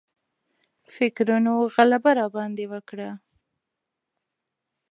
فکرونو غلبه راباندې وکړه.